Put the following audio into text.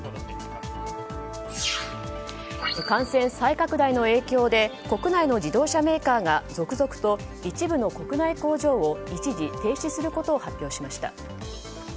感染再拡大の影響で国内の自動車メーカーが続々と一部の国内工場を一時停止することを発表しました。